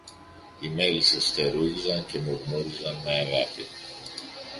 Οι μέλισσες φτερούγιζαν και μουρμούριζαν με αγάπη